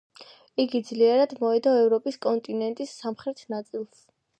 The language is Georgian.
იგი ძლიერად მოედო ევროპის კონტინენტის სამხრეთ ნაწილს.